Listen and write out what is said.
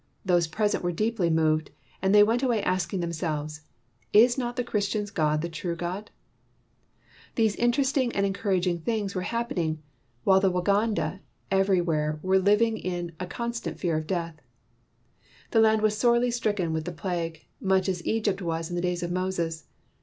Those present were deeply moved, and many went away asking themselves, "Is not the Christian's God the true God?" These interesting and encouraging things were happening while the Waganda every 161 WHITE MAN OF WORK where were living in constant fear of death. The land was sorely stricken with the plague, much as Egypt was in the days of Moses.